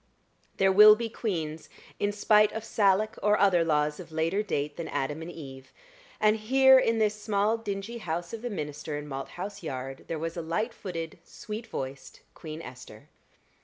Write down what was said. There will be queens in spite of Salic or other laws of later date than Adam and Eve; and here in this small dingy house of the minister in Malthouse Yard, there was a light footed, sweet voiced Queen Esther.